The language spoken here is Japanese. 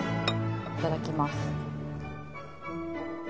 いただきます。